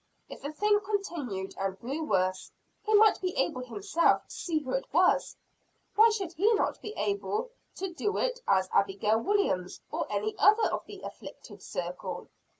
If the thing continued, and grew worse, he might be able himself to see who it was. Why should he not be as able to do it as Abigail Williams, or any other of the "afflicted" circle?